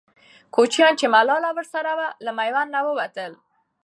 کوچیان چې ملالۍ ورسره وه، له میوند نه ووتل.